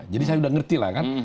jadi saya sudah ngerti lah kan